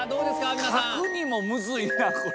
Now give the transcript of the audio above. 書くにもむずいな、これ。